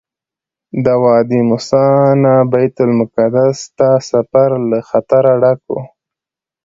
د وادي موسی نه بیت المقدس ته سفر له خطره ډک وو.